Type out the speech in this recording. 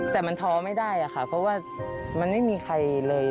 แต่มันท้อไม่ได้ค่ะเพราะว่ามันไม่มีใครเลย